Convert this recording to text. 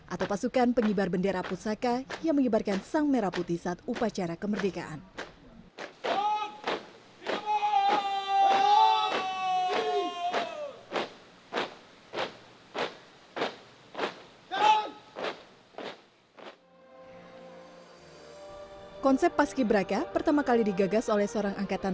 atau pasukan penghibar bendera pusaka yang menghibarkan sang merah putih saat upacara kemerdekaan